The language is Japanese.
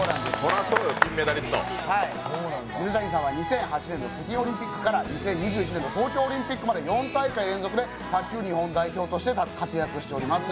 水谷さんは２００８年の北京オリンピックから２０２１年の東京オリンピックまで４大会連続で卓球日本代表として活躍されています。